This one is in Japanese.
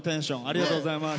ありがとうございます。